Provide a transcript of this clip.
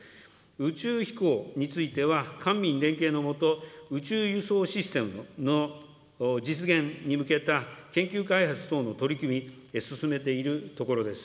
宇宙飛行については、官民連携の下、宇宙輸送システムの実現に向けた研究開発等の取り組み、進めているところです。